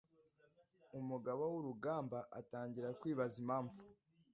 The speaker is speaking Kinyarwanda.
umugaba wurugamba atangira kwibaza impamvu